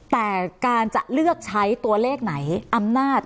แต่การจะเลือกใช้ตัวเลขไหนอำนาจ